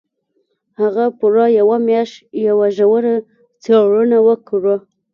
هغه پوره يوه مياشت يوه ژوره څېړنه وکړه.